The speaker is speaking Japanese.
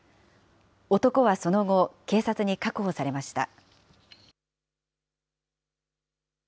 男はその後、警察に確保されました。